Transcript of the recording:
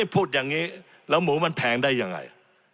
พูดอย่างนี้แล้วหมูมันแพงได้ยังไง